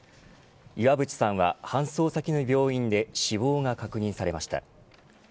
岩渕さんは搬送先の病院で死亡が確認されました。